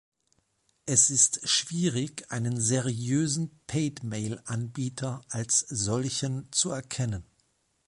Es ist schwierig, einen seriösen Paidmail-Anbieter als solchen zu erkennen.